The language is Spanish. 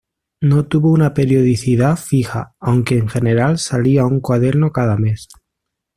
No tuvo una periodicidad fija aunque en general salía un cuaderno cada mes.